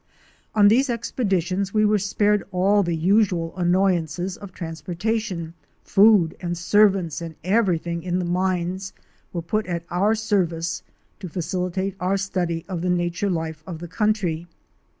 On these expeditions we were spared all the usual annoyances of transportation; food and servants and everything at the mines were put at our service to facilitate our study of the nature life of the country.